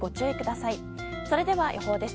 それでは予報です。